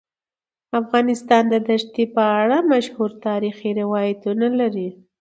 افغانستان د ښتې په اړه مشهور تاریخی روایتونه لري.